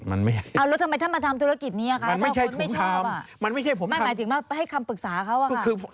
มันไม่ใช่ผมทำหมายถึงให้คำปรึกษาเขาว่าค่ะ